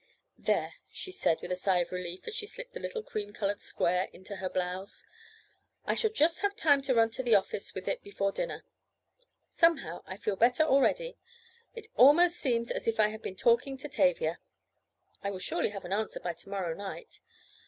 "There," she said with a sigh of relief as she slipped the little cream colored square into her blouse. "I shall just have time to run to the office with it before dinner. Somehow I feel better already. It almost seems as if I had been talking to Tavia. I will surely have an answer by to morrow night.